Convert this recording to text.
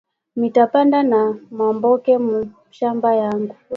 Mita panda na maboke mu mashamba yangu